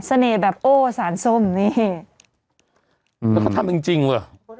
สาหร่อยแบบโอ้สารส้มนี่อืมแล้วก็ทำอย่างจริงจริงเวอร์